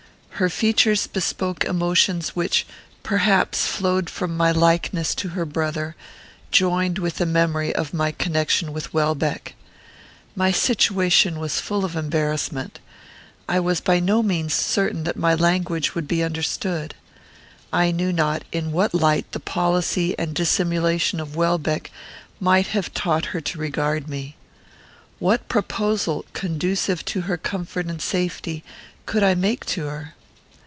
Her features bespoke emotions which, perhaps, flowed from my likeness to her brother, joined with the memory of my connection with Welbeck. My situation was full of embarrassment. I was by no means certain that my language would be understood. I knew not in what light the policy and dissimulation of Welbeck might have taught her to regard me. What proposal, conducive to her comfort and her safety, could I make to her?